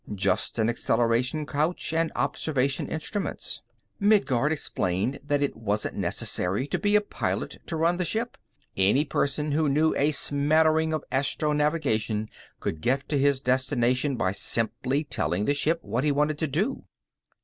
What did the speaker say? Just an acceleration couch and observation instruments. Midguard explained that it wasn't necessary to be a pilot to run the ship; any person who knew a smattering of astronavigation could get to his destination by simply telling the ship what he wanted to do.